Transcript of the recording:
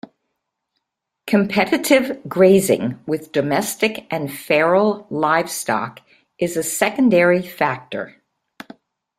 Competitive grazing with domestic and feral livestock is a secondary factor.